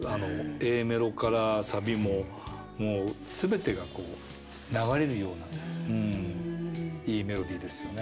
Ａメロからサビももう全てが流れるようないいメロディーですよね。